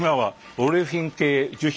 オレフィン系樹脂？